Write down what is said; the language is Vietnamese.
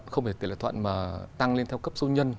không phải tỷ lệ thuận mà tăng lên theo cấp số nhân